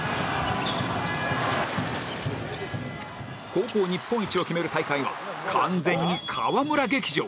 高校日本一を決める大会は完全に河村劇場